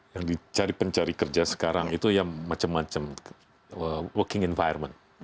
yang dicari pencari kerja sekarang itu ya macam macam working environment